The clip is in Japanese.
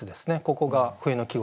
ここが冬の季語